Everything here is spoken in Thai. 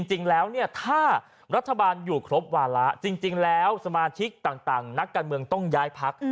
จริงแล้วเนี่ยถ้ารัฐบาลอยู่ครบวาระจริงแล้วสมาชิกต่างนักการเมืองต้องย้ายพัก